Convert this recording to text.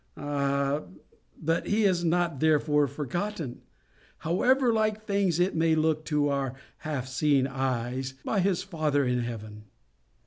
Ah! but he is not therefore forgotten, however like things it may look to our half seeing eyes, by his Father in heaven.